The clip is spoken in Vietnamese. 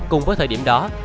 cùng với thời điểm đó